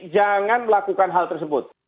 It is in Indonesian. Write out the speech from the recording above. jangan melakukan hal tersebut